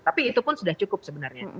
tapi itu pun sudah cukup sebenarnya